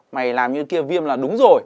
mày làm như kia viêm là đúng rồi